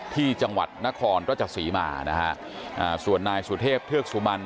ที่จังหวัดนครราชศรีมานะฮะอ่าส่วนนายสุเทพเทือกสุมัน